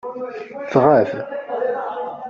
Tɣab.